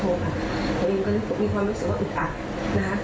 ตัวเองก็เลยมีความรู้สึกว่าอุดอัด